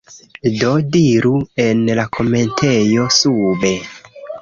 Do, diru en la komentejo sube